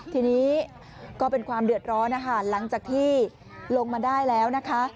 ทีนี้ก็เป็นความเดือดร้อนนะคะหลังจากที่ลงมาได้แล้วนะคะ